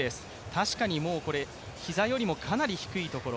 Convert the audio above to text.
確かにこれ、膝よりもかなり低いところ。